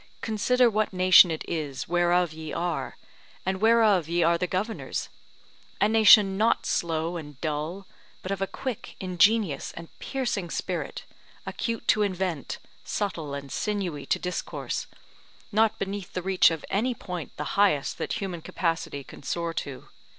consider what nation it is whereof ye are, and whereof ye are the governors: a nation not slow and dull, but of a quick, ingenious and piercing spirit, acute to invent, subtle and sinewy to discourse, not beneath the reach of any point the highest that human capacity can soar to.